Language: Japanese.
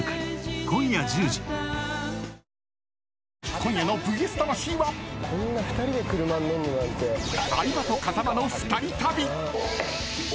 今夜の「ＶＳ魂」は相葉と風間の２人旅！